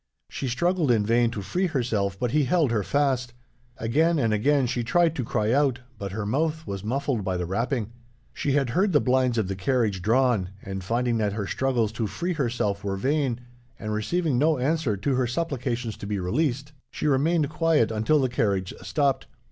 She struggled in vain to free herself, but he held her fast. Again and again, she tried to cry out, but her mouth was muffled by the wrapping. She had heard the blinds of the carriage drawn, and finding that her struggles to free herself were vain, and receiving no answer to her supplications to be released, she remained quiet until the carriage stopped.